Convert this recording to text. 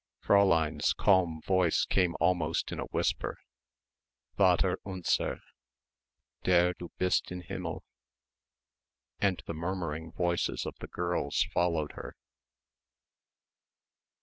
Fräulein's calm voice came almost in a whisper, "Vater unser ... der Du bist im Himmel," and the murmuring voices of the girls followed her.